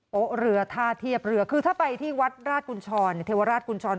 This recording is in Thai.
เรือท่าเทียบเรือคือถ้าไปที่วัดราชกุญชรเทวราชกุญชร